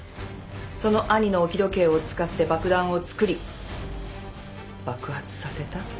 その兄の置き時計を使って爆弾を作り爆発させた？